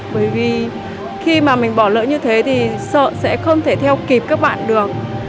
bởi vì khi mà mình bỏ lỡ như thế thì sợ sẽ không thể theo kịp các bạn được